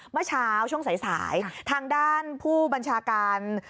เมื่อเช้าช่วงสายทางด้านผู้บัญชาการ